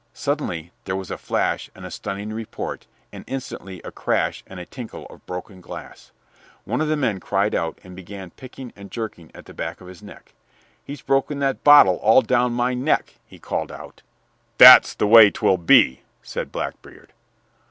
Suddenly there was a flash and a stunning report, and instantly a crash and tinkle of broken glass. One of the men cried out, and began picking and jerking at the back of his neck. "He's broken that bottle all down my neck," he called out. "That's the way 'twill be," said Blackbeard.